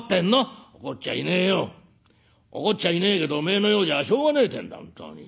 怒っちゃいねえけどおめえのようじゃしょうがねえってんだ本当に。